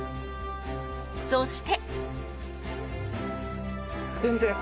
そして。